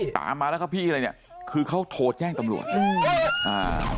ตามมาแล้วก็พี่อะไรเนี้ยคือเขาโทรแจ้งตำรวจอืมอ่า